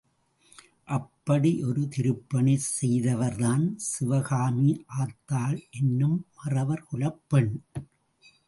அப்படி ஒரு திருப்பணி செய்தவர்தான் சிவகாமி ஆத்தாள் என்னும் மறவர் குலப் பெண்.